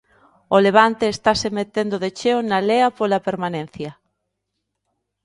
O Levante estase metendo de cheo na lea pola permanencia.